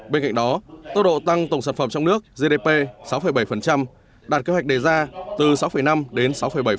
bên cạnh đó tốc độ tăng tổng sản phẩm trong nước gdp sáu bảy đạt kế hoạch đề ra từ sáu năm đến sáu bảy